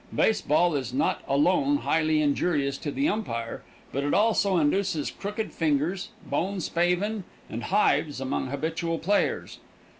Base ball is not alone highly injurious to the umpire, but it also induces crooked fingers, bone spavin and hives among habitual players.